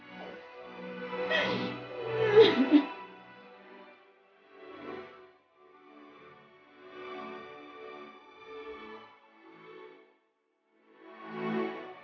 mau hitung kan